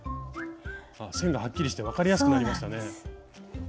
線がはっきりして分かりやすくなりましたね。